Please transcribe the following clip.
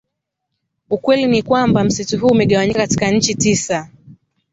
Ukweli ni kwamba msitu huu umegawanyika katika nchi tisa